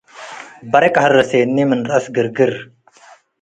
በርቅ ሀረሴኒ - ምን ረአስ ግርግር